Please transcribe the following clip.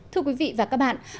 thưa quý vị và các bạn